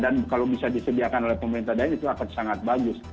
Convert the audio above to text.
kalau bisa disediakan oleh pemerintah daerah itu akan sangat bagus